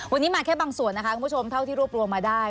วันนี้มาแค่บางส่วนนะคะคุณผู้ชมเท่าที่รวบรวมมาได้